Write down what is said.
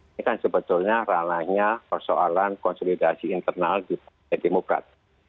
ini kan sebetulnya ralanya persoalan konsolidasi internal di partai demokrat